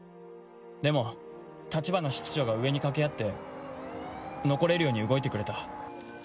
でも橘室長が上に掛け合って残れるように動いてくれた。